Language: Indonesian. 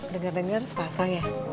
dengar dengar sepasang ya